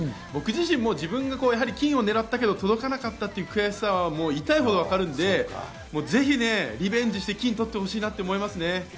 僕自身も自分が金を狙ったけれども届かなかったという悔しさは痛いほどわかるんで、ぜひリベンジして金を取ってもらいたいと思いますね。